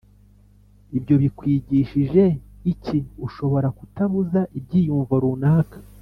Ibyo bikwigishije iki Ushobora kutabuza ibyiyumvo runaka